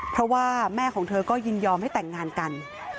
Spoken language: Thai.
เพราะว่าแม่ของเธอก็ยินยอมให้แต่งงานกัน